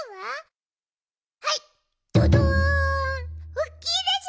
おっきいでしょ？